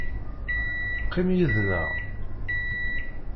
Qqim yid-neɣ.